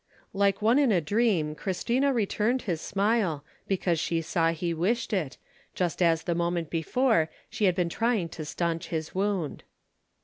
Like one in a dream Christina returned his smile, because she saw he wished it, just as the moment before she had been trying to staunch his wound.